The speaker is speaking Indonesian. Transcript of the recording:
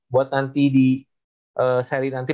buat nanti di seri nanti